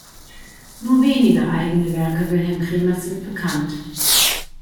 Nur wenige eigene Werke Wilhelm Cremers sind bekannt.